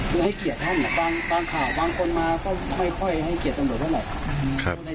คือให้เขียคัทห้องบางเช้าบางคนมาก็ไม่ค่อยให้เขียกบริบทศัพท์ยังไง